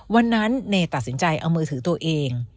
วันนั้นเนตัดสินใจเอามือถือตัวเอง